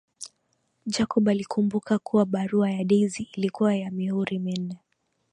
Jacob alikumbuka kuwa barua ya Daisy ilikuwa na mihuri minne